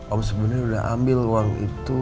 om sebenarnya udah ambil uang itu